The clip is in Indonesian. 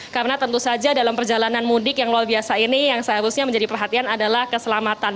karena tentu saja dalam perjalanan mudik yang luar biasa ini yang seharusnya menjadi perhatian adalah keselamatan